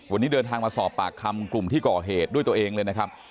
วันนี้เดินทางมาสอบปากคำกลุ่มที่ก่อเหตุด้วยตัวเองเลยนะครับ